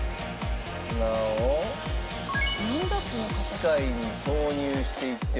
砂を機械に投入していってます。